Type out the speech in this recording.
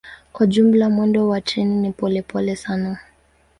Kwa jumla mwendo wa treni ni polepole sana.